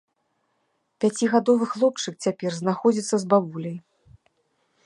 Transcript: Пяцігадовы хлопчык цяпер знаходзіцца з бабуляй.